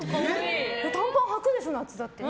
短パンはくでしょ、夏ね。